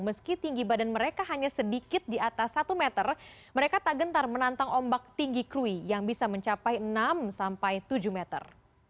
meski tinggi badan mereka hanya sedikit di atas satu meter mereka tak gentar menantang ombak tinggi krui yang bisa mencapai enam sampai tujuh meter